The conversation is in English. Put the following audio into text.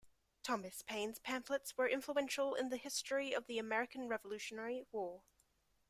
Thomas Paine's pamphlets were influential in the history of the American Revolutionary War.